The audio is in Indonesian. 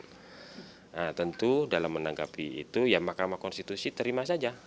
nah tentu dalam menanggapi itu ya mahkamah konstitusi terima saja